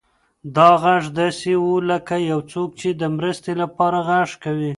دا غږ داسې و لکه یو څوک چې د مرستې لپاره غږ کوي.